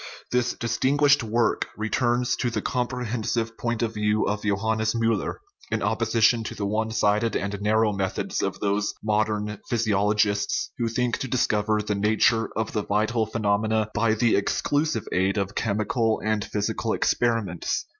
This distin guished work returns to the comprehensive point of view of Johannes Miiller, in opposition to the one sided and narrow methods of those modern physiolo gists who think to discover the nature of the vital phe nomena by the exclusive aid of chemical and physical experiments.